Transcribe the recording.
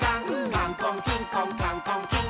「カンコンキンコンカンコンキン！」